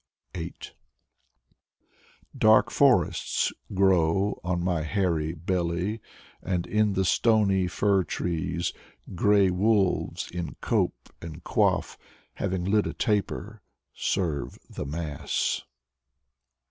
174 Piotr Oreshin 8 Dark forests Grow On my hairy belly, And in the stony fir trees Gray wolves, In cope and coif. Having lit a taper, Serve The mass.